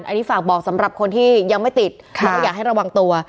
อันนี้ฝากบอกสำหรับคนที่ยังไม่ติดแล้วก็อยากให้ระวังตัว